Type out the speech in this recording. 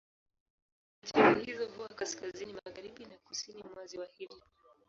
Chemchemi hizo huwa kaskazini magharibi na kusini mwa ziwa hili.